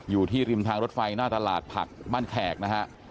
อยู่ที่ริมทางรถไฟหน้าตลาดผักบ้านแขกนะฮะ